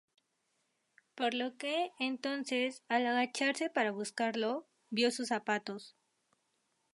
Por lo que, entonces, al agacharse para buscarlo, vio sus zapatos.